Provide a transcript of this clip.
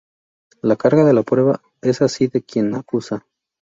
La carga de la prueba es así de quien acusa.